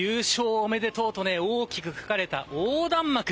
おめでとうと大きく書かれた横断幕。